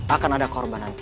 akan ada korban nanti